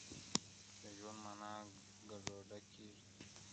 د ژوند معنا ګډوډه کيږي تل,